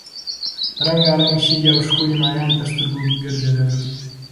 رنګارنګ شګې او ښکلي ماهیان تر سترګو ګرځېدل.